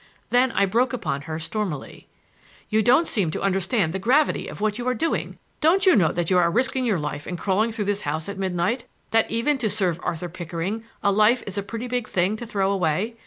Then I broke upon her stormily. "You don't seem to understand the gravity of what you are doing! Don't you know that you are risking your life in crawling through this house at midnight? —that even to serve Arthur Pickering, a life is a pretty big thing to throw away?